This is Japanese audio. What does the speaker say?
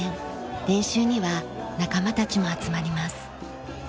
練習には仲間たちも集まります。